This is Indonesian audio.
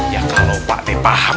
ya kalau pak t paham